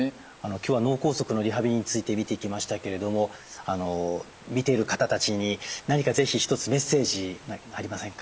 今日は脳梗塞のリハビリについて見ていきましたけれども見ている方たちに何か是非一つメッセージ何かありませんか？